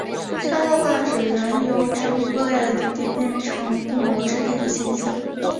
沙漠化指原由植物覆盖的土地变成不毛之地的现象。